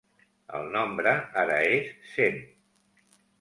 El nombre ara és cent.